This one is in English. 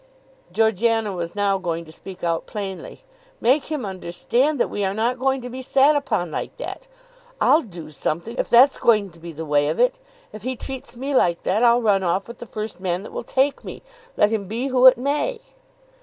Georgiana was now going to speak out plainly. "Make him understand that we are not going to be sat upon like that. I'll do something, if that's going to be the way of it. If he treats me like that I'll run off with the first man that will take me, let him be who it may."